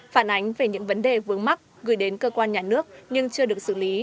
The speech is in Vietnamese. phản ánh về những vấn đề vướng mắt gửi đến cơ quan nhà nước nhưng chưa được xử lý